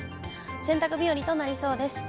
洗濯日和となりそうです。